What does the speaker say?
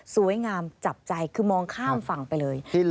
จับใจคือมองข้ามฝั่งไปเลย